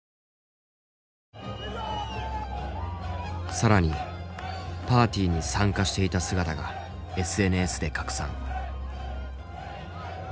更にパーティーに参加していた姿がＳＮＳで拡散。